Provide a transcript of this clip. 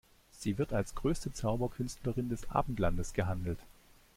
Sie wird als größte Zauberkünstlerin des Abendlandes gehandelt.